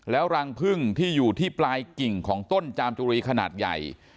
แล้วรังพึ่งที่อยู่ที่ปลายกิ่งของต้นจามจุรีขนาดใหญ่